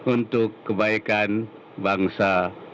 untuk kebaikan bangsa semua